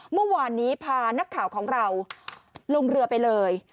เมื่อวานนี้พานักข่าวของเราลงเรือไปเลย